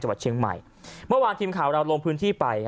วัดเชียงใหม่เมื่อวานทีมข่าวเราลงพื้นที่ไป